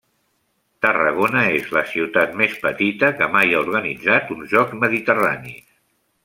Tarragona és la ciutat més petita que mai ha organitzat uns Jocs Mediterranis.